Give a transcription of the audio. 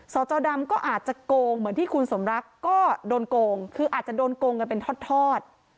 จอดำก็อาจจะโกงเหมือนที่คุณสมรักก็โดนโกงคืออาจจะโดนโกงกันเป็นทอด